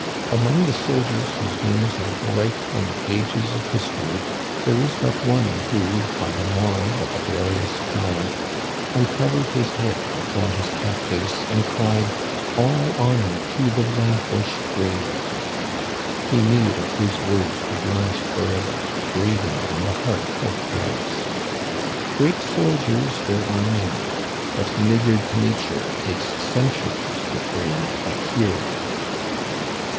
Among the sol diers whose names are bright on the pages of history there is but one who, on the morrow of a glorious tri umph, uncovered his head before his captives and cried, " All honor to the vanquished brave !" He knew that his words would last forever, graven on the heart of France. Great soldiers there are many ; but niggard Nature takes centuries to frame a hero.